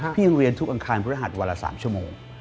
ยังเรียนทุกอังคารพฤหัสวันละ๓ชั่วโมง